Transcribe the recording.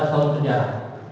dua belas tahun penjara